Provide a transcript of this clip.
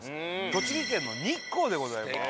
栃木県の日光でございます。